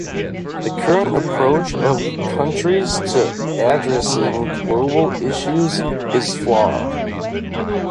The current approach of countries to addressing global issues is flawed.